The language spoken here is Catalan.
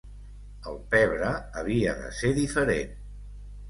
El pebre havia de ser diferent.